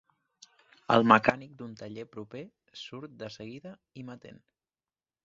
El mecànic d'un taller proper surt de seguida i m'atén.